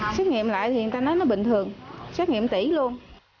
xét nghiệm lại thì người ta nói nó bình thường xét nghiệm tỷ luôn